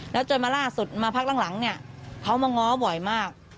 แล้วจนมาล่าสุดมาพักหลังเนี่ยเขามาง้อบ่อยมาก